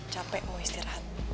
capek mau istirahat